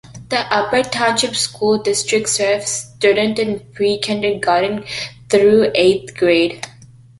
The Upper Township School District serves students in pre-kindergarten through eighth grade.